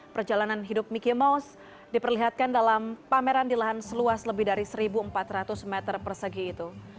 perjalanan hidup mike mouse diperlihatkan dalam pameran di lahan seluas lebih dari satu empat ratus meter persegi itu